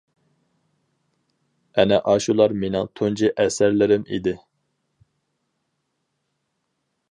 ئەنە ئاشۇلار مېنىڭ تۇنجى «ئەسەرلىرىم» ئىدى.